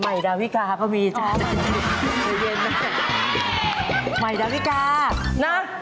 ใหม่ดาวิกานะ